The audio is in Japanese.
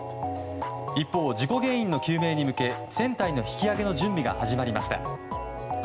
一方、事故原因の究明に向け船体の引き揚げの準備が始まりました。